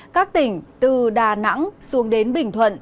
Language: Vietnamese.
các tỉnh từ đà nẵng xuống đến bình thuận